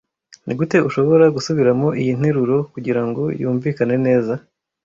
Nigute ushobora gusubiramo iyi nteruro kugirango yumvikane neza?